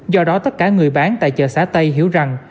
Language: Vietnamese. do đó tất cả người bán tại chợ xã tây hiểu rằng